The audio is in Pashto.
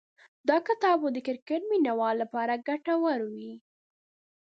دا کتاب به د کرکټ مینه والو لپاره ګټور وي.